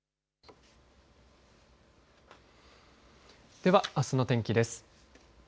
では、あすの天気です。